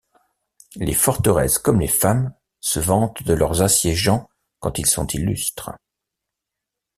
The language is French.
Les forteresses comme les femmes se vantent de leurs assiégeants quand ils sont illustres.